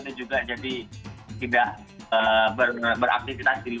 di dalam ruangan sendiri